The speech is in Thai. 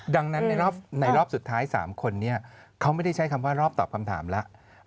ดังนั้นในรอบสุดท้าย๓คนนี้เขาไม่ได้ใช้คำว่ารอบตอบคำถามแล้ว